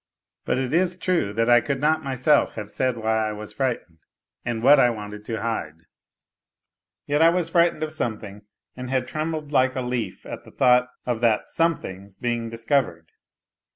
But it is true that I could not myself havo said why I was frightened and what I wanted to hide ; yet I was frightened of something and had trembled like a leaf at the thought of that something's being discovered.